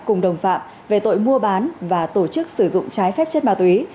cùng đồng phạm về tội mua bán và tổ chức sử dụng trái phép chất ma túy